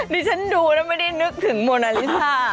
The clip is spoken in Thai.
ดิฉันดูแล้วไม่ได้นึกถึงโมนาลิซ่า